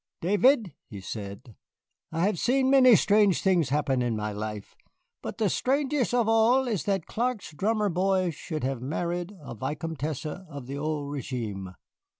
"David," he said, "I have seen many strange things happen in my life, but the strangest of all is that Clark's drummer boy should have married a Vicomtesse of the old régime."